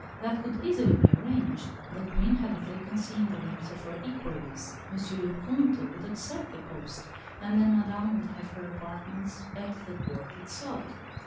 That could easily be arranged; the Queen had a vacancy in the ranks of her equerries. M. le Comte would accept the post, and then Madame would have her apartments at the Court itself.